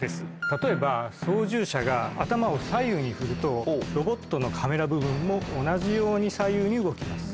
例えば操縦者が頭を左右に振るとロボットのカメラ部分も同じように左右に動きます。